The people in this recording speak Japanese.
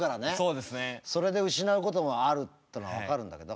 それで失うこともあるっての分かるんだけど。